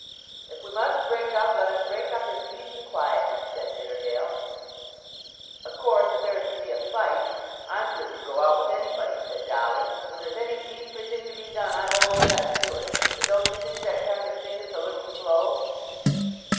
"If we must break up, let us break up in peace and quietness," said Nidderdale. "Of course, if there is to be a fight, I'm good to go out with anybody," said Dolly. "When there's any beastly thing to be done, I've always got to do it. But don't you think that kind of thing is a little slow?"